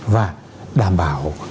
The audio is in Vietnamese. và đảm bảo